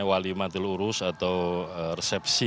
wali matilurus atau resepsi